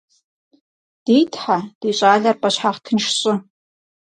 Ди Тхьэ, ди щӏалэр пӏэщхьагъ тынш щӏы!